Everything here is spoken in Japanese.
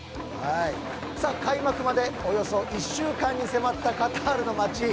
開幕まで、およそ１週間に迫ったカタールの街。